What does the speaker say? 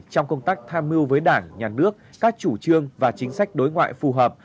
trong công tác tham mưu với đảng nhà nước các chủ trương và chính sách đối ngoại phù hợp